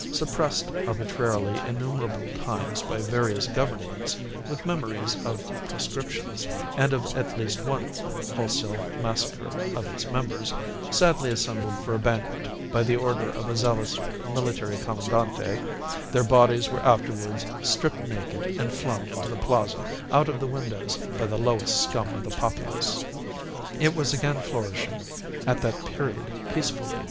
Suppressed arbitrarily innumerable times by various Governments, with memories of proscriptions and of at least one wholesale massacre of its members, sadly assembled for a banquet by the order of a zealous military commandante (their bodies were afterwards stripped naked and flung into the plaza out of the windows by the lowest scum of the populace), it was again flourishing, at that period, peacefully.